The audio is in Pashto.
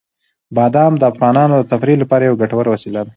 بادام د افغانانو د تفریح لپاره یوه ګټوره وسیله ده.